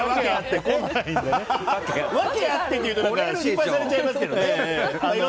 訳あってっていうと心配されちゃいますけどね。